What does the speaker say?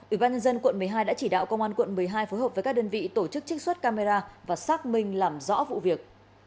ủy ban nhân dân quận một mươi hai đã chỉ đạo công an quận một mươi hai phối hợp với các đơn vị tổ chức trích xuất camera và xác minh làm rõ vụ việc